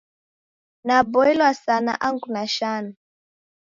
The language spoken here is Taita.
Naboilwa sana angu nashanwa.